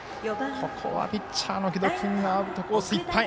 ここはピッチャーの城戸君アウトコースいっぱい。